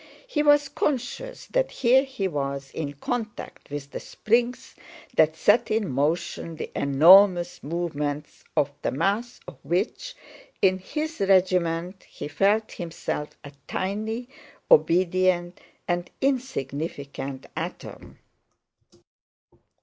He was conscious that here he was in contact with the springs that set in motion the enormous movements of the mass of which in his regiment he felt himself a tiny, obedient, and insignificant atom.